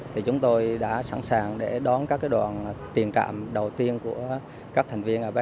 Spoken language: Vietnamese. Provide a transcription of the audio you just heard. thì chúng tôi đã sẵn sàng để đón các đoàn tiền cửa